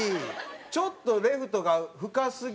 ちょっとレフトが深すぎ。